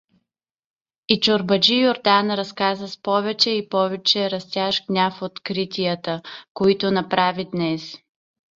И чорбаджи Юрдан разказа с повече и повече растящ гняв откритията, които направи днес.